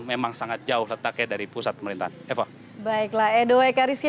memang sangat jauh letaknya dari pusat pemerintahan eva baiklah edo eka rizky